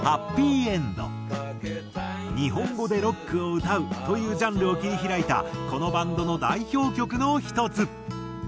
日本語でロックを歌うというジャンルを切り開いたこのバンドの代表曲の一つ。